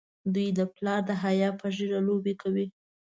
دوی د پلار د حیا په ږیره لوبې کوي.